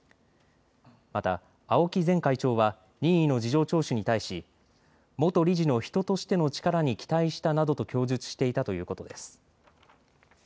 また青木前会長は任意の事情聴取に対し元理事の人としての力に期待したなどと供述していたということです。